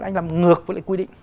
anh làm ngược với lại quy định